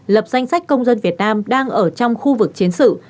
lập danh sách công dân việt nam đang ở trong khu vực chiến sự